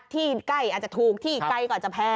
ที่ใกล้อาจจะถูกที่ใกล้กว่าจะแพง